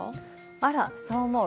あらそう思う？